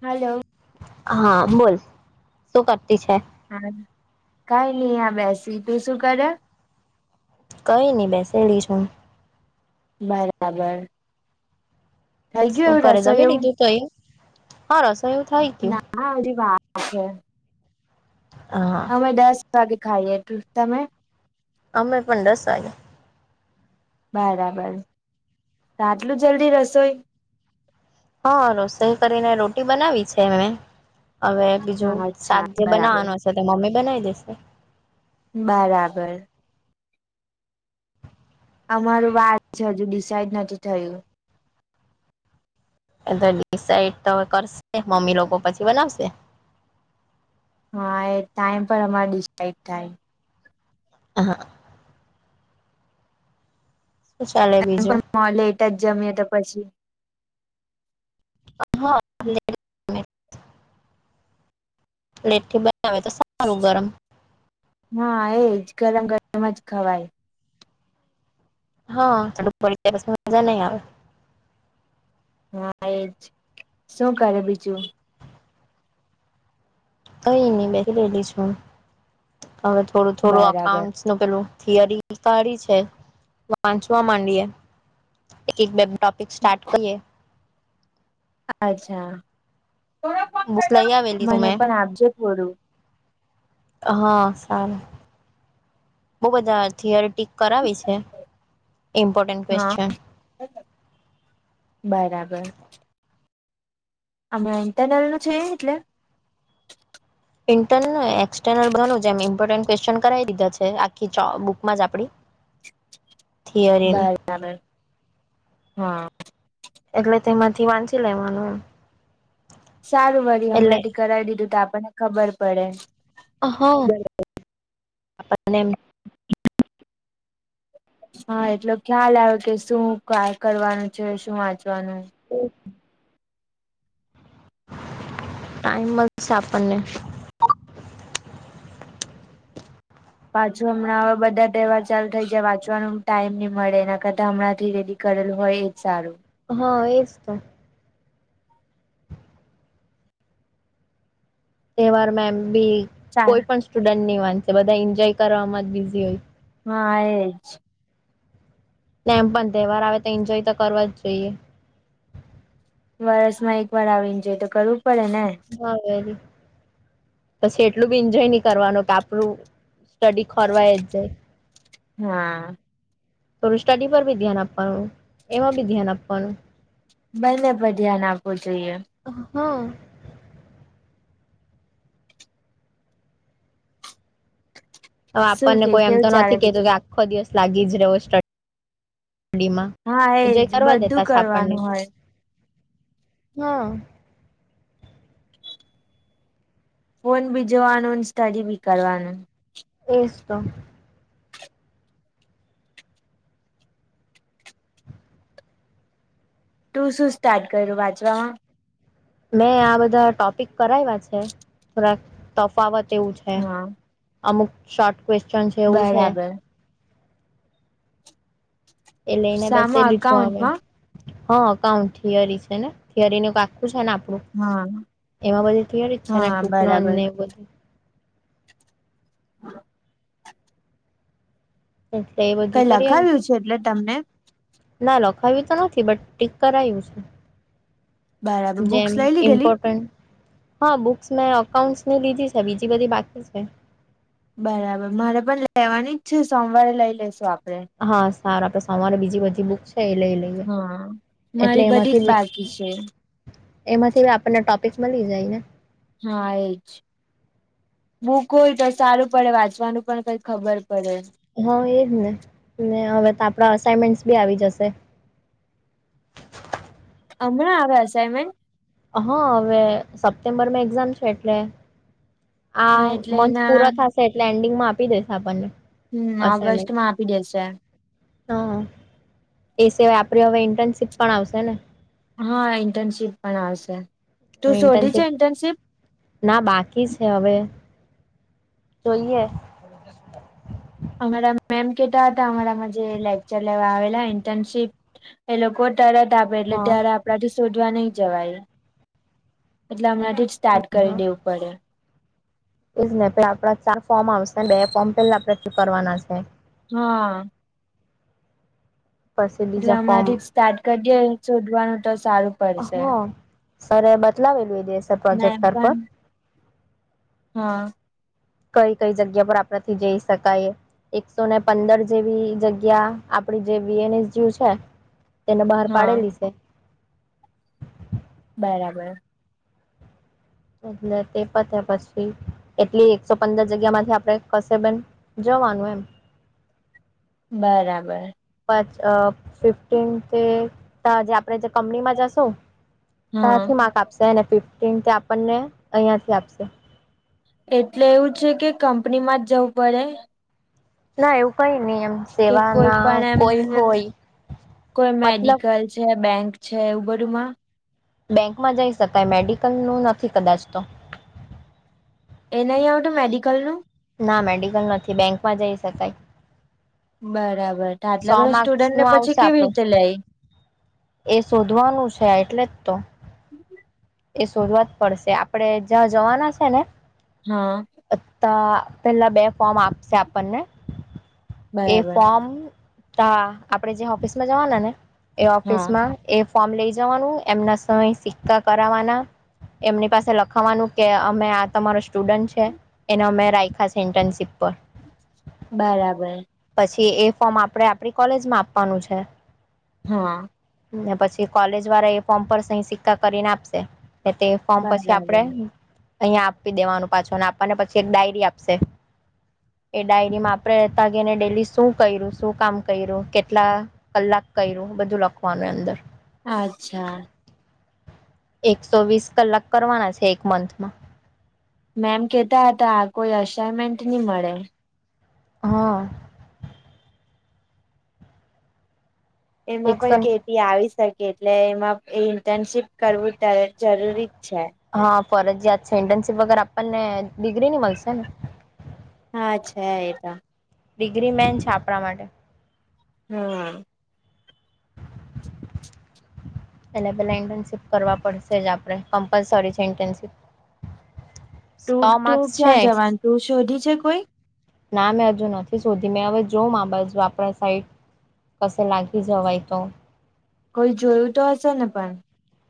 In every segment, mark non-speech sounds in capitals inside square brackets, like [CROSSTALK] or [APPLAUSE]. Hello. હા બોલ શું કરતી છે હા કાંઈ નહીં આ બેસી તું શું કરે કંઈ નહીં બેસેલીશું બરાબર થઈ ગયુ શું એવું કરે રસોઈ જમી એવું લીધું તો એ હા રસોઈ એવું થઈ ગયું હા હજી વાત છે હા. તમે દસ વાગે ખાઈએ તમે અમે પણ દસ વાગે બરાબર તો આટલું જલ્દી રસોઈ હા રસોઈ કરીને રોટી બનાવી છે મે હવે બીજું હા અચ્છા શાક જે બરાબર બનાવાનું છે તે મમ્મી બનાવી દેશે બરાબર. અમારું વાત છે હજુ ડિસાઇડ નથી થયું એ તો ડિસઇડ તો કરશે મમ્મી લોકો પછી બનાવશે. હા એ ટાઈમ પર અમારે ડિસાાઈડ થાય હ હા. શું ચાલે એ બીજું પણ લેટ જ જમીએ તો પછી હા લેટ [INAUDIBLE] પ્લેટ થી બનાવે તો સારું ગરમ હા એજ ગરમ ગરમ જ ખવાય હા ઝાડુ પડી જાય પછી મજા નહી આવે. હા એજ શું કરે બીજું કઈ નહી બેસી લેલી છું હવે થોડું થોડું બરાબર અકાઉન્ટ પેલું થિયરી કાઢી છે વાંચવા માંડીએે એક એક બે ટોપિક સ્ટાર્ટ કરીએ. અચ્છા બુક લઈ [UNINTELLIGIBLE] આવેલી તું મને મેં પણ આપજે થોડું હા, સારું. બઉ બધા થિયરી ટીક કરાવી છે. ઇમ્પોર્ટન્ટ હા ક્વેશ્ચન બરાબર. અમે ઇન્ટરનલ નું છે એટલે ઇન્ટર્નલ એક્સર્નલ બેનું એમ ઇમ્પોર્ટન્ટ ક્વેશ્ચન કરાવી દીધા છે આખી બુકમાં જ આપડી થિયરીની બાય તાણ હા એટલે તેમાંથી વાંચી લેવાનું એમ. સારું વળી, એટલે હમણાં થી કરાવી દીધું તો આપણને ખબર પડે. હા, અને. હા, એટલો ખ્યાલ આવે કે શું કરવાનું છે, શું વાંચવાનું. ઓકે. ટાઈમ છે આપણને. પાછું હમણાં હવે બધા ટહેવાર ચાલુ થઈ જાય, વાંચવાનો ટાઈમ નહીં મળે. એના કરતા હમણાં થી કરેલું હોય એ સારું. હા, એ જ. તહેવાર મે એમ બી કોઈ પણ સ્ટુડન્ટ નહી વાંચશે. બધા એન્જોય કરવામાં જ બીઝી હોય. હા, એજ. એમ પણ, તહેવાર આવે તો એન્જોય તો કરવા જ જોઈએ. વર્ષ માં એક વાર આવીને જોએ તો, કરવું પડે ને. હા, જ પછી એટલું બી એન્જોય નહીં કરવાનું કે આપણું સ્ટડી ખોરવાઈ જાય. હા. થોડું સ્ટડી પર બી ધ્યાન આપવાનું, એમાં બી ધ્યાન આપવાનું. બંને પર ધ્યાન આપવું જોઈએ. હા. હવે શું આપણને કે કોઈ એમ તો કેવું ચાલે નથી કેતું બીજું કે, આખો દિવસ લાગી જ રહો. ડીમાં હા એન્જોય એજ કરવા બધું દેતા સા આપણને. કરવાનું હોય હા. ફોન બી જોવાનું, સ્ટડી બી કરવાનું. એ જ તો. તું શું સ્ટાર્ટ કરે વાંચવામાં? મેં આ બધા ટોપિક કરાવ્યા છે. થોડાક તફાવત એવું છે. હા અમુક શોર્ટ ક્વેશ્ચન છે એવું છે. બરાબર એ લઈને સામા બેસેલી છું હ. અકાઉન્ટમાં હા, અકાઉન્ટ થિયરી છે ને. થિયરી ન આખું છે ને, આપું. હા એમાં બધી તય છે ને, હા ટૂંક ને બરાબર અને બધું એલે એ બધું કઈ કરીએ. લખાવ્યું છે એટલે તમને ના, લખાવ્યું તો નથી, બટ ટીક કરાયું છે. બરાબર બુક્સ જેમ લઈ લીધેલી ઇમ્પોર્ટન્ટ. હા, બુક્સ મેં એકાઉન્ટસ ની લીધી છે. બીજી બધી બાકી છે. બરાબર, મારે પણ લેવાની જ છે. સોમવારે લઈ લેશું આપડે. હા, સારુ. આપડે સવારે બીજી બધી બુક છે એ લઈ લઈશું. હા, મારી બધી જ બાકી છે. એમાંથી આપણને ટોપિક મળી જાય ને. હા, એજ. બુક હોય, તો સારું પડે વાંચવાનું પણ કંઈ ખબર પડે. હા, એજ ને. ને હવે તો, આપડા અસાાઈનમેન્ટસ બી આવી જશે. હમણાં આવે અસાઈનમેન્ટ. હા હવે સપ્ટેમ્બરમાં એક્ઝામ છે એટલે આ હા એટલે મંચ એના પૂરા થશે એટલે એન્ડિંગમાં આપી દેશે આપણને. હમ અસાઇનમેન્ટ. ઓગસ્ટ માં આપી દેશે. હા, એ સિવાય આપે હવે ઇન્ટર્નશીપ પણ આવશે ને. હા, ઇન્ટર્નશીપ પણ આવશે. તું મે શોધી છે ઇન્ટર્નશિપ. ઇન્ટર્નશીપ ના, બાકી છે. હવે જોઈએ. [INAUDIBLE] અમારા મેમ કેતા હતા, અમારામાં જે લેક્ચર લેવા આવેલા ઇન્ટર્નશીપ એ લોકો તરત આપે, એટલે હા ત્યારે આપણાથી શોધવા નહીં જવાય એટલે હમણાં. સ્ટાર્ટ કરી હા. દેવું પડે. એજ નને પ આપડા ચાર ફોર્મ આવશે ને બે ફોર્મ પેલા આપણે ક્લ કરવાના છે. હા. પછી એટલે બીજા ફોર્મ હમણાંથી સ્ટાર્ટ કરી દે શોધવાનું તો સારું. હ પડશે સર બદલાવેલું એ દેએ સર મેમ પ્રોજેક્ટર પર. પણ હા. કઈ કઈ જગ્યા પર આપણાથી જઈ શકાય. એકસો ને પંદર જેવી જગ્યા આપડી જે વી એન એસ જીયું છે. તેને બહાર હા પાડેલી છે. બરાબર! એટલે તે પતે્યા પછી કેટલી એકસો પંદર જગ્યા માંથી આપડે કશે પન. જવાનું એમ. બરાબર. પાંચ અ ફિફ્ટીન તે જે આપડે જે કંપનીમાં જશુ હા તથી માક આપ. સેને ફિફ્ટીન થી આપણને અહિયાં થી આપશે. એટલે એવું છે કે કંપની માં જ જવું પડે. ના એવું કઈ નહી એમ. કે કોઈ સેવાના પણ એમ કોઈ હોય કોઈ મતલબ મેડિકલ છે બેંક. છે એવું બધું માં. બેંકમાં જઈ શકાય મેડિકલ નું નથી કદાચ તો. એ ન આવતું મેડિકલનું. ના મેડિકલ નથી બેંકમાં જઈ શકાય. બરાબર તો આટલા સો બધા માર્ક્સ સ્ટુડન્ટ નું ને પછી આવશે કેવી આપડું રીતે લેય. એ શોધવાનું છે એટલેજ તો. એ શોધવા જ પડશે આપણેે જ્યાં જવાના છે ને. હા. અછા પેલા બે ફોર્મ આપશે આપણને. એ બરાબર ફોર્મ આપણેે જે ઓફિસમાં જવાના ને એ હા ઓફિસમાં. એ ફોર્મ લઈ જવાનું એમના સમ સિક્કા કરાવાના. એમની પાસે લખાવાનું કે અમે આ તમારો સ્ટુડન્ટ છે. એના અમે રાાયખા સેન્ટનશીપ પર. બરાબર. પછી એ ફોર્મ આપડે આપણી કોલેજમાં આપવાનું છે. હા. પછી કોલેજ વાળા એ ફોર્મ પર સહી સિક્કા કરીને આપશે. તે ફોર્મ પછી આપડે બરાબર અહિયાયા આપી દેવાનું પાછો અને આપવાને પછી એક ડાયરી આપશે. એ ડાયરીમાં આપણે તા ગેયને ડેલી શું કર્યું શું કામ કર્યું કેટલા. કલાક કર્યું બધું લખવાનું અંદર. અચ્છા. એકસો વીસ કલાક કરવાના છે એક મંથમાં. મેમ કેતા હતા આ કોઈ અસાઈનમેન્ટ નહી મળે. હા. એમાં એકસો પણ કેટી આવી શકે એટલે એમાં એ ઇન્ટર્નશીપ. કરવું ત્યારે જરૂરીજ છે. હા ફરજયાત છે ઇન્ટર્નશીપ વગે આપણને ડિગ્રીની મળશે ને. હા અચ્છા એટ. ડિગ્રી મેન છે આપણા માટે. હમ. એટલે પેલા ઇન્ટર્નશીપ કરવા પડશે જ આપડે કમ્પલસરી છે ઇન્ટનશીપ. સો તું તું માર્ક્સ છે ક્યાં જવાનું તું શોધી છે કોઈ ના મેં હજુ નથી શોધી મેં હવે જો મા બાજુ આપણા સાઈટ કસે લાગી જવાય તો કોઈ જોયું તો હશે ને પણ.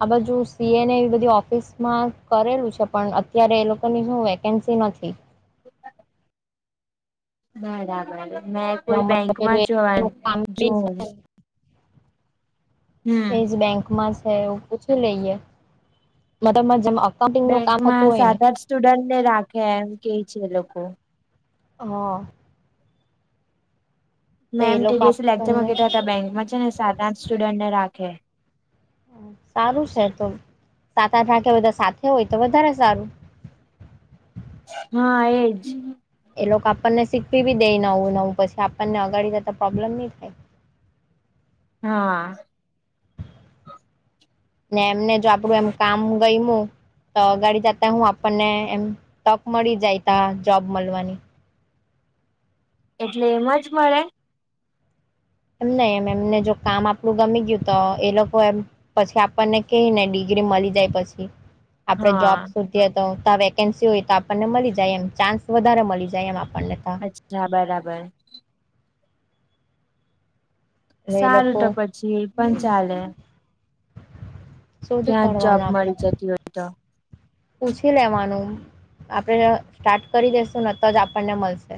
આ બાજુ સીએને એ બધી ઓફિસમાં કરેલું છે પણ અત્યારે એ લોકોની શું. કેન્સી નથી. બરાબર મેં ને કોઈ હમણાં બેંકમાં પેલું જવા એનું કામ જોઉં. એજ બેંકમાં છે એવું પૂછી લઈએ મબ જેમ. અકાઉન્ટિંગનું કામ થતું બેંકમાં હોય ને સાત આઠ સ્ટુડન્ટને રાખે એમ કે છે એ લોકો. હા. તો એ મેમ લોકો ટીડીએસી લેક્ચરમાં આપણને કીધા હતા બેંકમાં છે ને સાત આઠ સ્ટુડન્ટને રાખે. સારું છે તો સાત આઠ રાખે બધા સાથે હોય તો વધારે સારું. હા એજ. એ લોકો આપણને શીખવી બી દઈ નવું નવું પછી આપણને અગાડી જતા પ્રોબ્લેમ નહી થાય. હા. ને એમને જો આપડું એમ કામ ગયમું. તો અગાડી જતા હું આપણને એમ તક મળી જાય ત જોબ મળવાની એટલે એમ જ મળે એમ નહી એમ એમને જો કામ આપલું ગમી ગયું તો એ લોકો એમ પછી આપણને ક ને ડિગ્રી મળી જાય પછી આપડે હા જોબ સુધી ત વેકેન્સી હોય તો આપણને મળી જાય એમ ચાન્સ વધારે મળી જાય એમ આપણને અચછા બરાબર એટલે એ સારું તો લોકો પછી પણ હમ ચાલે શોધી ત્યાં જ જબ કાઢવાનું આપડે મળી જતી હોય તો પૂછી લેવાનું આપણે સ્ટાર્ટ કરી દેસું નને તો જ આપણને મળશે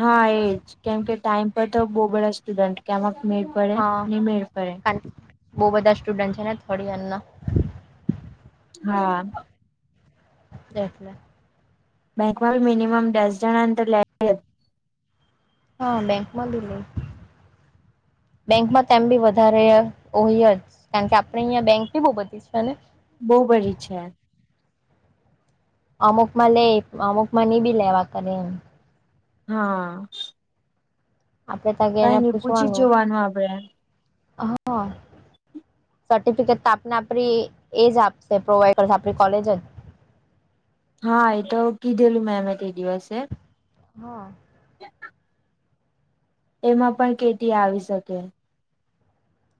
હા એજ કેમકે ટાઈમ પર તો બહુ બધા સ્ટુડન્ટ કેમક મેળ પડે નહી મેળ પડે બહુ બધા સ્ટુડન્ટ છે ને થોડી અમના હા દટલે બેંકમાં મિનિમમ દસ જણા લે જ હા બે બેંકમાંલ નહી બેંકમાં તેમ બી વધારે હોય જ કારણ કે આપડે અહંયા બેંક બહુ બધીશું ને બહ બરી છે અમુકમાં લે અમુક બી લેવા કરે એમ હા આપડે તગ કઈ એને નઈ પૂછી જ પૂછવાનું જોવાનું આપડે હા સર્ટિફિકેટ તો આપને આપણી એજ આપશે પ્રોવાઈડ કરશે આપણી કોલેજ જ હા એ તો કીધેલું મેં અમે તે દિવસે હા ક એમાં પણ કેટી આવી શકે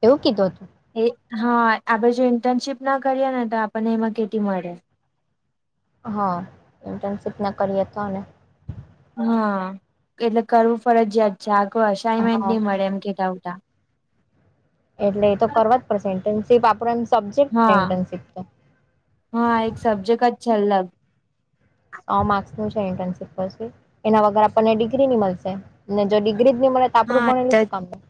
એવું કીધું હતું એ હા આપડે જો ઇન્ટર્નશીપ ના કરીએ ને તો આપણને એમાં કેટી મળે હં ઇન્ટર્નશીપ ના કરીએ તો અને હા એટલે કરવું ફરજયાત છે આ કોઈ અસાાઈનમેન્ટ હા નહી મળે એમ કે આવતા એટલે એ તો કરવા જ પડશે ઇન્ટર્નશીપ આપોણા નો સબ્જેક્ટ છે હા ઇન્ટર્નશીપ તો હા એક સબ્જેક્ટ જ છેલ્લે સો માર્ક્સ નું છે ઇન્ટર્નશીપ પછી એના વગર આપણને ડિગ્રી ની મળશે ને જો ડિગ્રી જ ન મળે તો આપણે હા ભણેલુ તો શું કામનું